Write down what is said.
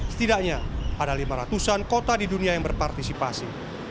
setidaknya ada lima ratusan kota di dunia yang berpartisipasi